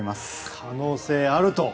可能性があると。